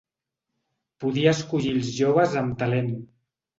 Podia escollir els joves amb talent.